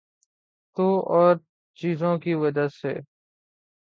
تو اورچیزوں کی وجہ سے۔